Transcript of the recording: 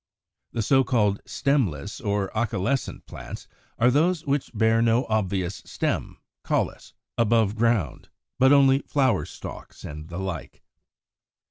The so called stemless or acaulescent plants are those which bear no obvious stem (caulis) above ground, but only flower stalks, and the like.